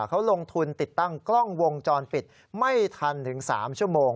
เขาลงทุนติดตั้งกล้องวงจรปิดไม่ทันถึง๓ชั่วโมง